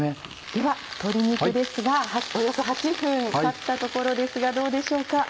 では鶏肉ですがおよそ８分たったところですがどうでしょうか。